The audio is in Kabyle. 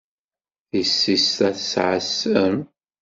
Tissist-a tesɛa ssem?